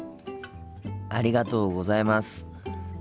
ありがとうございます。